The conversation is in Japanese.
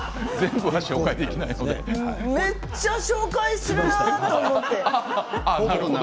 めっちゃ紹介するなと思って。